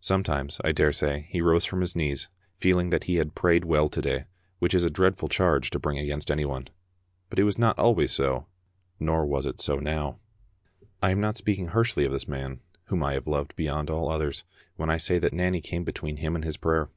Sometimes, I daresay, he rose from his knees feeling that he had prayed well to day, which is a dreadful charge to bring against anyone. But it was not always so, nor was it so now. I am not speaking harshly of this man, whom I have loved bejrond all others, when I say that Nanny came Digitized by VjOOQ IC Vraflc^c of a Aub touBC. 115 between him and his prayer.